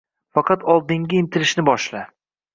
Faqat oldinga intilishni boshla!